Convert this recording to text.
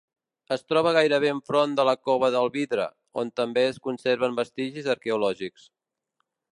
Es troba gairebé enfront de la cova del Vidre, on també es conserven vestigis arqueològics.